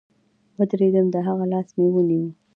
ودرېدم د هغه لاس مې ونيو.